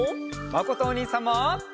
まことおにいさんも！